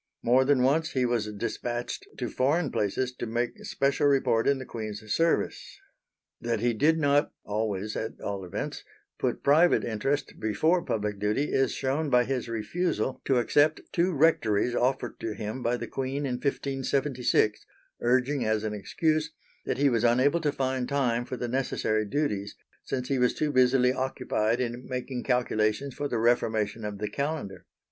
More than once he was despatched to foreign places to make special report in the Queen's service. That he did not always, at all events put private interest before public duty is shown by his refusal to accept two rectories offered to him by the Queen in 1576, urging as an excuse that he was unable to find time for the necessary duties, since he was too busily occupied in making calculations for the reformation of the Calendar.